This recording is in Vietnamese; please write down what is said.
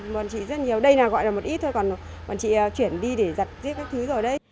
bọn chị rất nhiều đây là gọi là một ít thôi còn bọn chị chuyển đi để giặt giết các thứ rồi đấy